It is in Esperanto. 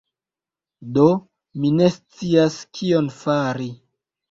Do, mi ne scias kion fari...